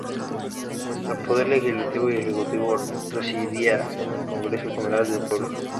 El poder legislativo y ejecutivo residía en el Congreso General del Pueblo.